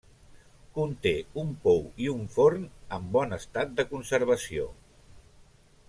Conté un pou i un forn amb bon estat de conservació.